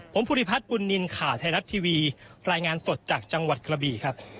ผมภูริพัฒน์บุญนินทร์ข่าวไทยรัฐทีวีรายงานสดจากจังหวัดกระบีครับ